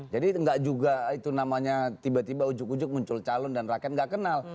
jadi tidak juga itu namanya tiba tiba ujug ujug muncul calon dan rakyat tidak kenal